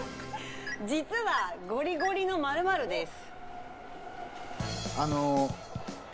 実はゴリゴリの○○です。